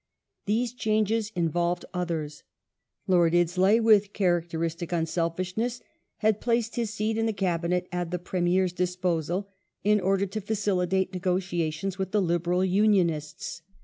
These changes involved others. Lord Iddesleigh, with characteristic unselfishness, hsid placed his seat in the Cabinet at the Premier's disposal in order to facilitate negotia tions with the Liberal Unionists.